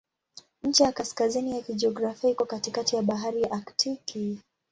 Ncha ya kaskazini ya kijiografia iko katikati ya Bahari ya Aktiki.